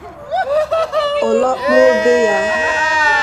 ọ lakpuo be ya